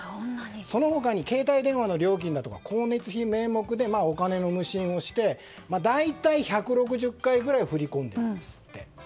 その他に携帯電話の料金だとか光熱費名目でお金の無心をして大体１６０回くらい振り込んだんですって。